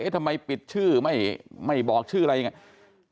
ทำไมปิดชื่อไม่บอกชื่ออะไรอย่างนี้